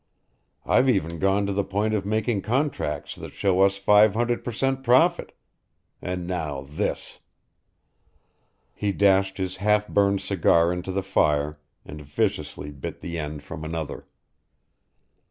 I've even gone to the point of making contracts that show us five hundred per cent, profit. And now this!" He dashed his half burned cigar into the fire, and viciously bit the end from another.